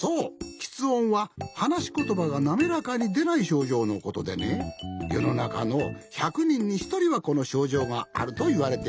きつ音ははなしことばがなめらかにでないしょうじょうのことでねよのなかの１００にんにひとりはこのしょうじょうがあるといわれておるんじゃよ。